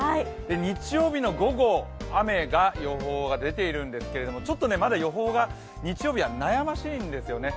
日曜日の午後、雨の予報が出ているんですけれどもちょっとまだ予報が、日曜日は悩ましいんですよね。